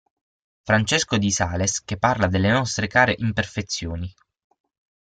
Francesco di Sales, che parla delle nostre care imperfezioni.